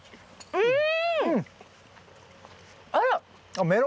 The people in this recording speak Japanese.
うん！